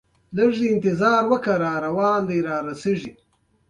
انګور د افغان ځوانانو لپاره دلچسپي لري.